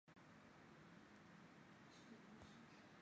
麻省理工学院经济系重视数理分析。